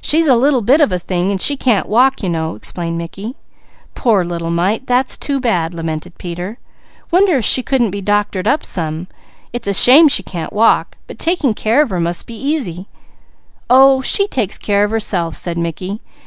"She's a little bit of a thing and she can't walk, you know," explained Mickey. "Poor little mite! That's too bad," lamented Peter. "Wonder if she couldn't be doctored up. It's a shame she can't walk, but taking care of her must be easy!" "Oh she takes care of herself," said Mickey.